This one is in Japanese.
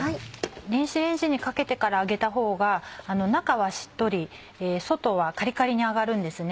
電子レンジにかけてから揚げたほうが中はしっとり外はカリカリに揚がるんですね。